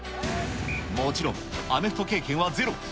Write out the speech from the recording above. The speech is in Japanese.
もちろん、アメフト経験はゼロ。